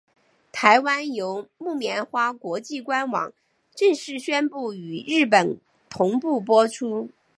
台湾由木棉花国际官网正式宣布与日本同步播出。